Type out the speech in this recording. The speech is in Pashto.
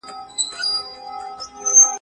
واقعي او نظري پوښتنې سره تړلي دي.